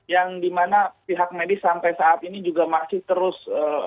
yang dimana pihak medis sampai saat ini juga masih terus